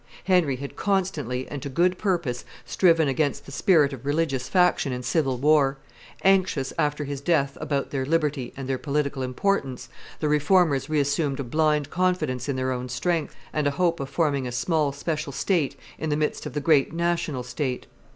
Henry had constantly and to good purpose striven against the spirit of religious faction and civil war; anxious, after his death, about their liberty and their political importance, the Reformers reassumed a blind confidence in their own strength, and a hope of forming a small special state in the midst of the great national state.